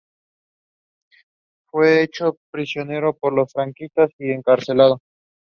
Fue hecho prisionero por los franquistas y encarcelado.